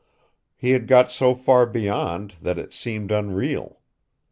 He had got so far beyond that it seemed unreal.